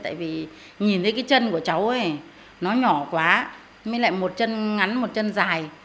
tại vì nhìn thấy cái chân của cháu ấy nó nhỏ quá mới lại một chân ngắn một chân dài